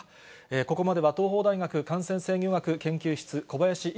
ここまでは東邦大学感染制御学研究室、小林寅